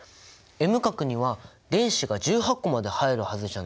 Ｍ殻には電子が１８個まで入るはずじゃない？